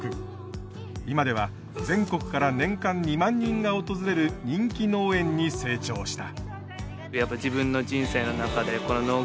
今では全国から年間２万人が訪れる人気農園に成長した。